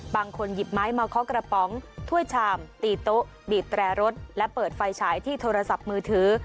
หยิบไม้มาเคาะกระป๋องถ้วยชามตีโต๊ะบีบแตรรถและเปิดไฟฉายที่โทรศัพท์มือถือ